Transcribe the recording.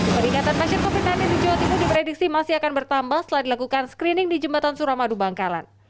peningkatan pasien covid sembilan belas di jawa timur diprediksi masih akan bertambah setelah dilakukan screening di jembatan suramadu bangkalan